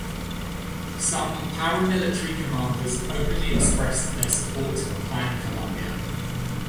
Some paramilitary commanders openly expressed their support for Plan Colombia.